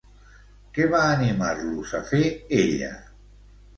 Què va animar-los a fer, ella?